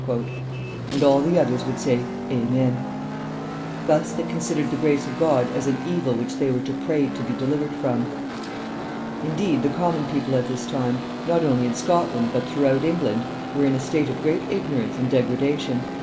And all the others would say "Amen." Thus they considered the grace of God as an evil which they were to pray to be delivered from. Indeed, the common people at this time, not only in Scotland, but throughout England, were in a state of great ignorance and degradation.